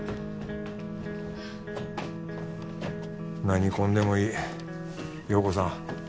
何婚でもいい陽子さん